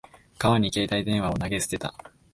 川に携帯電話を投げ捨てた。